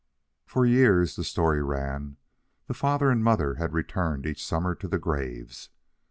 For years, the story ran, the father and mother had returned each summer to the graves.